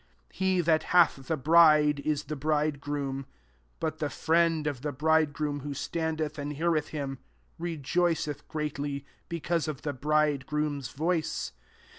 * 29 «* He that hath the bride, Is the bridegroom: but the friend of the bridegroom, who itandeth and heareth him, re foiceth greatly, because of the bridegroom's voice.